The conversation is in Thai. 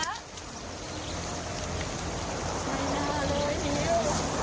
ไม่น่าเลยนิ้ว